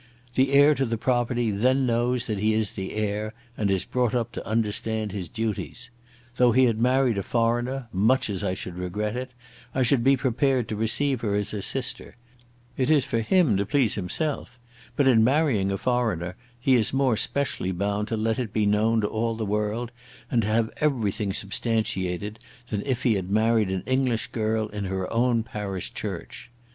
The heir to the property then knows that he is the heir, and is brought up to understand his duties. Though he had married a foreigner, much as I should regret it, I should be prepared to receive her as a sister; it is for him to please himself; but in marrying a foreigner he is more specially bound to let it be known to all the world, and to have everything substantiated, than if he had married an English girl in her own parish church.